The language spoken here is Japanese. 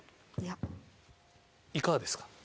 いかがですか？